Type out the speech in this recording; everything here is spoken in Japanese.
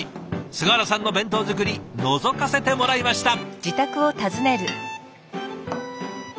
菅原さんの弁当作りのぞかせてもらいました。